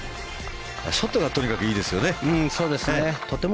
ショットがとにかくいいですよね。